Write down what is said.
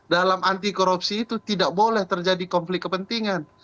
dalam anti korupsi itu tidak boleh terjadi konflik kepentingan